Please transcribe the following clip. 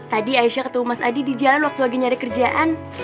tadi aisyah ketemu mas adi di jalan waktu lagi nyari kerjaan